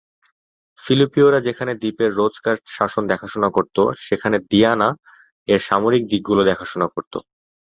ফিলিপীয়রা যেখানে দ্বীপের রোজকার শাসন দেখাশোনা করত, সেখানে দীয়ানা এর সামরিক দিকগুলোর দেখাশোনা করত।